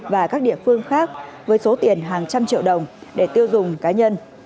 và các địa phương khác với số tiền hàng trăm triệu đồng để tiêu dùng cá nhân